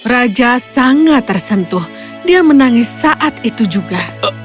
raja sangat tersentuh dia menangis saat itu juga